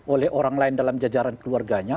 oleh orang lain dalam jajaran keluarganya